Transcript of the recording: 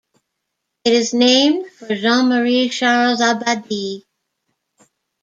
It is named for Jean Marie Charles Abadie.